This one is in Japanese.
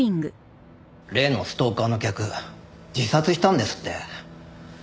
例のストーカーの客自殺したんですって？